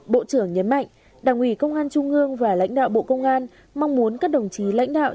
bộ trưởng nhấn mạnh đảng ủy công an trung ương và lãnh đạo bộ công an mong muốn các đồng chí lãnh đạo